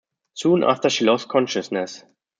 Soon after she lost consciousness.